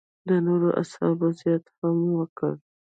د نورو اصحابو زیارت هم وکړ.